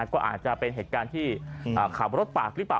ก็อาจจะเป็นเหตุการณ์ที่ขับรถปากหรือเปล่า